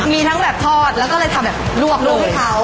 มีทั้งแบบทอดแล้วก็ทำแบบลั่วให้เขา